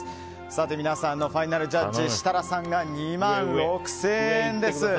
さて皆さんのファイナルジャッジ設楽さんが２万６０００円です。